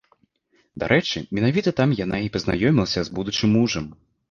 Дарэчы, менавіта там яна і пазнаёмілася з будучым мужам.